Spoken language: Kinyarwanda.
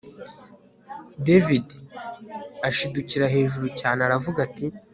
david ashidukira hejuru cyane, aravuga ati